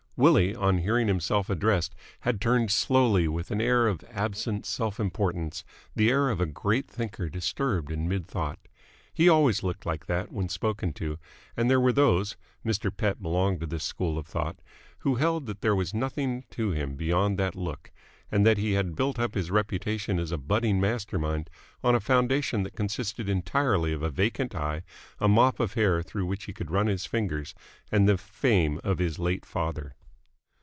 Willie, on hearing himself addressed, had turned slowly with an air of absent self importance, the air of a great thinker disturbed in mid thought. He always looked like that when spoken to, and there were those Mr. Pett belonged to this school of thought who held that there was nothing to him beyond that look and that he had built up his reputation as a budding mastermind on a foundation that consisted entirely of a vacant eye, a mop of hair through which he could run his fingers, and the fame of his late father.